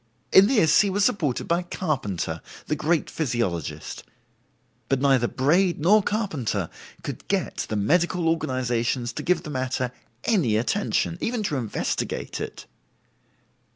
In this he was supported by Carpenter, the great physiologist; but neither Braid nor Carpenter could get the medical organizations to give the matter any attention, even to investigate it.